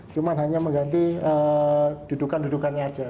cuma hanya mengganti dudukan dudukannya aja